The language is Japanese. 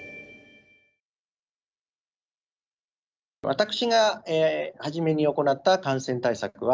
私が初めに行った感染対策は